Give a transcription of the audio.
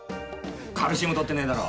カルシウムとってねえだろ。